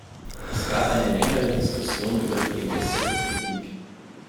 Es gab eine längere Diskussion über die geäußerte Kritik.